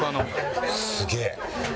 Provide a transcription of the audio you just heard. すげえ。